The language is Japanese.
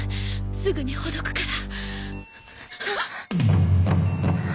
すぐにほどくから。